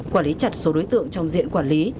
quản lý chặt số đối tượng trong diện quản lý